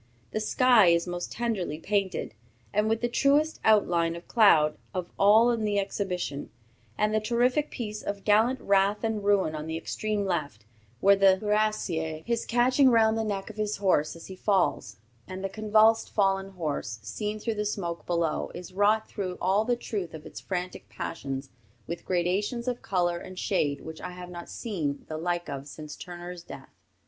The sky is most tenderly painted, and with the truest outline of cloud of all in the exhibition; and the terrific piece of gallant wrath and ruin on the extreme left, where the cuirassier is catching round the neck of his horse as he falls, and the convulsed fallen horse, seen through the smoke below, is wrought through all the truth of its frantic passions with gradations of color and shade which I have not seen the like of since Turner's death."